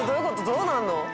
どうなるの？